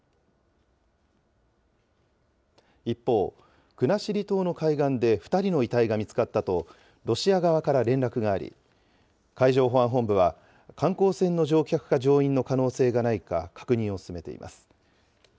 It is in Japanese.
一方、国後島の海岸で２人の遺体が見つかったと、ロシア側から連絡があり、海上保安本部は、観光船の乗客か乗員の可能性がないか、確認を進めています。